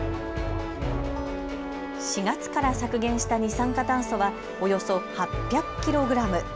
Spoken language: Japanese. ４月から削減した二酸化炭素はおよそ８００キログラム。